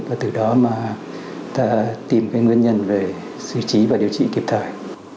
và từ đó mà ta tìm cái nguyên nhân về sử trí và điều trị kịp thời